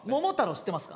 知ってますか？